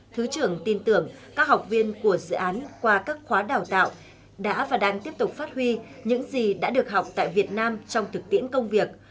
thứ trưởng tin tưởng các học viên của dự án qua các khóa đào tạo đã và đang tiếp tục phát huy những gì đã được học tại việt nam trong thực tiễn công việc